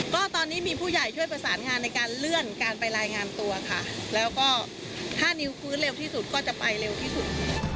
ก็ตอนนี้มีผู้ใหญ่ช่วยประสานงานในการเลื่อนการไปรายงานตัวค่ะแล้วก็ถ้านิวฟื้นเร็วที่สุดก็จะไปเร็วที่สุด